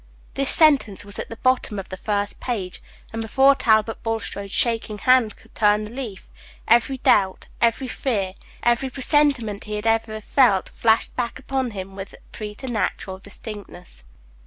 This sentence was at the bottom of the first page; and, before Talbot Bulstrode's shaking hand could turn the leaf, every doubt, every fear, every presentiment he had ever felt flashed back upon him with preternatural distinctness.